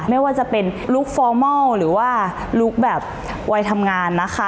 ไม่ว่าจะเป็นลุคฟอร์มอลหรือว่าลุคแบบวัยทำงานนะคะ